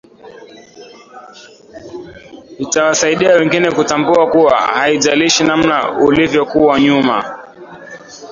itawasaidia wengine kutambua kuwa haijalishi namna ulivyokuwa nyuma